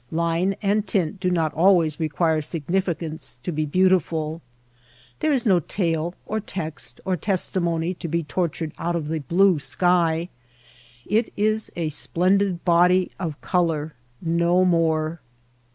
Line and tint do not always require significance to be beautiful. There is no tale or text or testimony to be tort ured out of the blue sky. It is a splendid body of color ; no more.